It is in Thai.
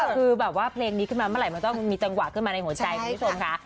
คือแบบว่าเพลงนี้ขึ้นมาเมื่อไหร่มันต้องมีจังหวะขึ้นมาในหัวใจคุณผู้ชมค่ะ